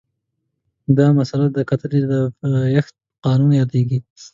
دا مسئله د کتلې د پایښت قانون یادیږي.